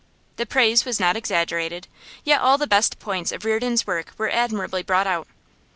The praise was not exaggerated, yet all the best points of Reardon's work were admirably brought out.